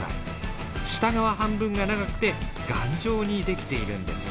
下側半分が長くて頑丈に出来ているんです。